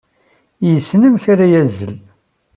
Yessen amek ara yeẓẓal.